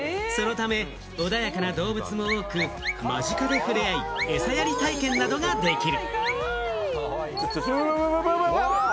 そのため、穏やかな動物も多く、間近で触れあい、えさやり体験などができる。